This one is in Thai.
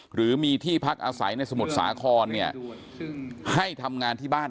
หรือมีที่พักอาศัยในสมุทรสาครเนี่ยให้ทำงานที่บ้าน